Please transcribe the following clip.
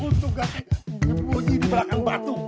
untuk ganti bunyi di belakang batu